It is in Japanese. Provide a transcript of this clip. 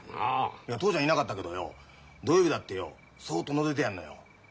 いや父ちゃんいなかったけどよ土曜日だってよそっとのぞいてやんのよ。